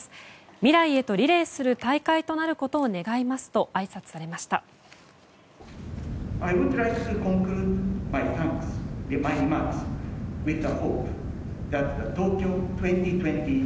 未来へとリレーする大会となることを願いますとあいさつされました。